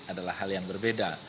adalah hal yang berbeda